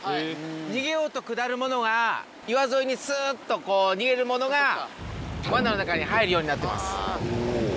逃げようと下るものが岩沿いにスっとこう逃げるものがわなの中に入るようになってます。